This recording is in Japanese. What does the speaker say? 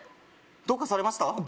どうかされました？